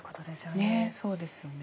ねえそうですよね。